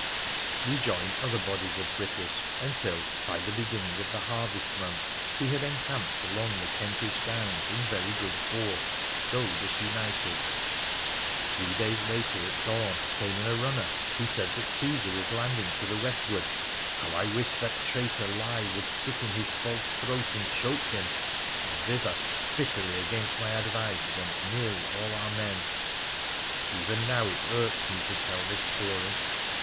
We joined other bodies of British, until, by the beginning of the harvest month, we had encamped along the Kentish downs in very good force, though disunited. Three days later, at dawn, came in a runner who said that Caesar was landing to the westward — how I wished that traitor lie would stick in his false throat and choke him !— and thither, bitterly against my advice, went nearly all our men. Even now it irks me to tell this story.